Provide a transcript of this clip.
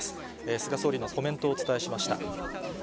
菅総理のコメントをお伝えしました。